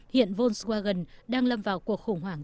hiện volkswagen đang lâm vào cuộc khủng hoảng